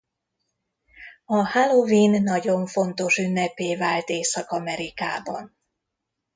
A halloween nagyon fontos ünneppé vált Észak-Amerikában.